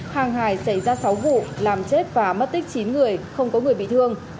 hàng hải xảy ra sáu vụ làm chết và mất tích chín người không có người bị thương